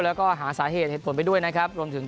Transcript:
แล้วก็หาสาเหตุเหตุผลไปด้วยนะครับรวมถึง